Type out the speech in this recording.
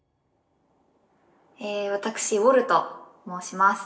ええ私ウォルと申します。